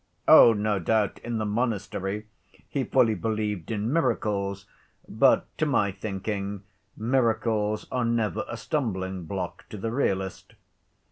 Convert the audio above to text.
Oh! no doubt, in the monastery he fully believed in miracles, but, to my thinking, miracles are never a stumbling‐block to the realist.